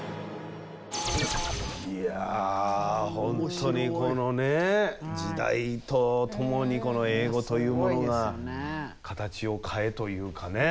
いや本当にこのね時代とともにこの英語というものが形を変えというかね。